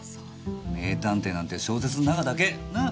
名探偵なんて小説の中だけ。なぁ？